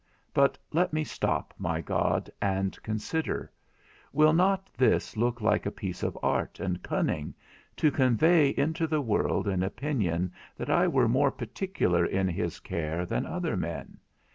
But let me stop, my God, and consider; will not this look like a piece of art and cunning, to convey into the world an opinion that I were more particular in his care than other men?